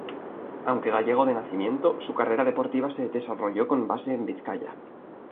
Aunque gallego de nacimiento su carrera deportiva se desarrolló con base en Vizcaya.